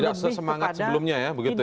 tidak sesemangat sebelumnya ya begitu ya